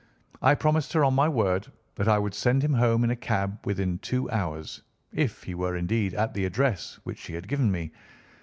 I promised her on my word that I would send him home in a cab within two hours if he were indeed at the address which she had given me.